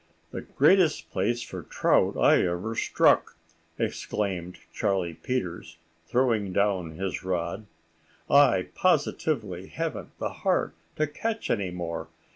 "The greatest place for trout I ever struck!" exclaimed Charlie Peters, throwing down his rod. "I positively haven't the heart to catch any more.